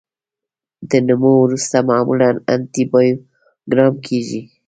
د نمو وروسته معمولا انټي بایوګرام کیږي.